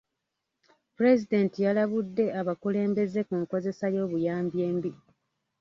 Pulezidenti yalabudde abakulembeze ku nkozesa y'obuyambi embi.